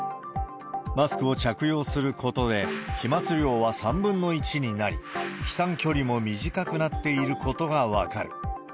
マスクを着用することで、飛まつ量は３分の１になり、飛散距離も短くなっていることが分かる。